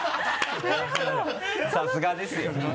さすがですよ。